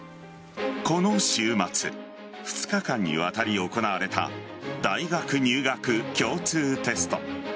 この週末２日間にわたり行われた大学入学共通テスト。